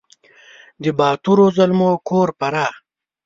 د باتورو زلمو کور فراه !